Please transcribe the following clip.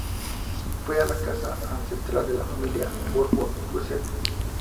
Fue la casa ancestral de la familia Bourbon-Busset.